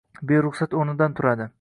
beruxsat o‘rnidan turadi